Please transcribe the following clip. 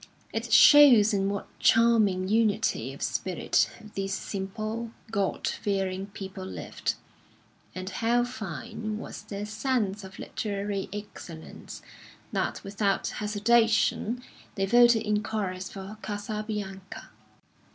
It shows in what charming unity of spirit these simple, God fearing people lived, and how fine was their sense of literary excellence, that without hesitation they voted in chorus for "Casabianca."